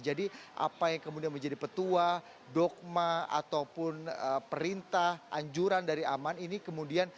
jadi apa yang kemudian menjadi petua dogma ataupun perintah anjuran dari aman ini